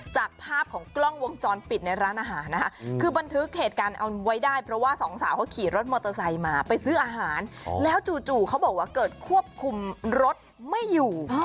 จากภาพของกล้องวงจรปิดในร้านอาหารนะคะคือบันทึกเหตุการณ์เอาไว้ได้เพราะว่าสองสาวเขาขี่รถมอเตอร์ไซค์มาไปซื้ออาหารแล้วจู่เขาบอกว่าเกิดควบคุมรถไม่อยู่